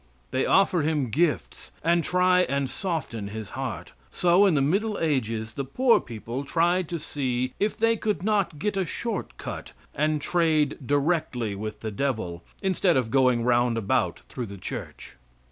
They offer him gifts, and try and soften his heart; so, in the middle ages, the poor people tried to see if they could not get a short cut, and trade directly with the devil, instead of going round about through the church.